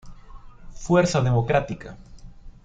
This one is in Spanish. Fuerza Democrática